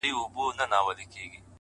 مخامخ وتراشل سوي بت ته ناست دی؛